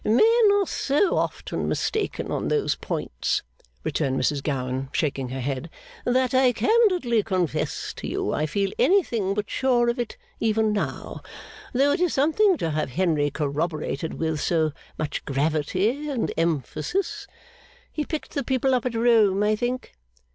'Men are so often mistaken on those points,' returned Mrs Gowan, shaking her head, 'that I candidly confess to you I feel anything but sure of it, even now; though it is something to have Henry corroborated with so much gravity and emphasis. He picked the people up at Rome, I think?